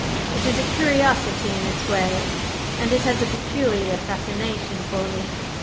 It is a curiosity in its way; and it has a peculiar fascination for me.